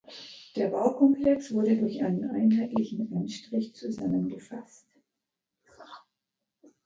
Der Baukomplex wurde durch einen einheitlichen Anstrich zusammengefasst.